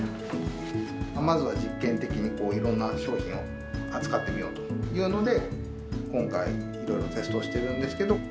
まずは実験的にいろんな商品を扱ってみようというので、今回、いろいろテストをしているんですけど。